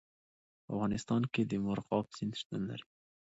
په افغانستان کې د مورغاب سیند شتون لري.